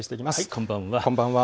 こんばんは。